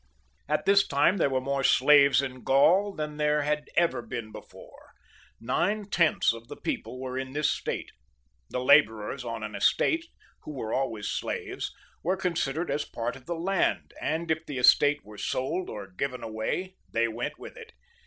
At this time there were more slaves in Gaul than there had ever been before ; nine tenths of the people were in this state. The labourers on an estate,, who ware always slaves, were cqnsidered as part qf the land» and if the estate was sold or given away, they went with it.